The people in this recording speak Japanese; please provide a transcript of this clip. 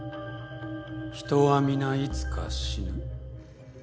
人は皆いつか死ぬ。